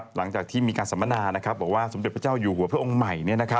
หลังจากที่มีการสัมมนาบอกว่าสมเด็จพระเจ้าอยู่หัวพระองค์ใหม่